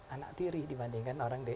anak tiri dibandingkan orang